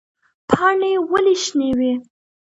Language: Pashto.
پاڼې ولې شنې وي؟